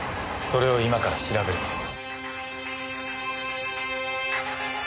それを今から調べるんです。